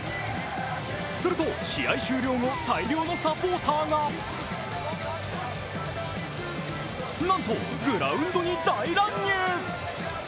すると試合終了後、大量のサポーターがなんとグラウンドに大乱入。